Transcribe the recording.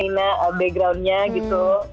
karena sama senina backgroundnya gitu